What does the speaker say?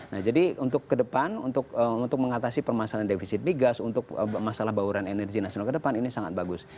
nah jadi untuk ke depan untuk mengatasi permasalahan defisit migas untuk masalah bauran energi nasional ke depan ini sangat bagus